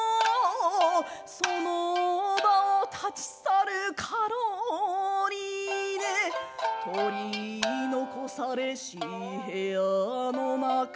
「その場を立ち去るカロリーネ」「取り残されし部屋の中」